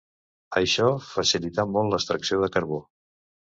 Això facilità molt l'extracció de carbó.